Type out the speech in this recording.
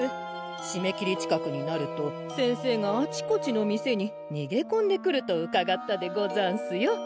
しめきり近くになると先生があちこちの店ににげこんでくるとうかがったでござんすよ。